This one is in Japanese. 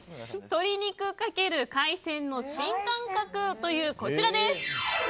鶏肉×海鮮の新感覚！というこちらです。